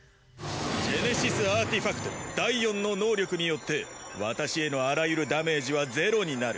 ジェネシスアーティファクト第４の能力によって私へのあらゆるダメージはゼロになる。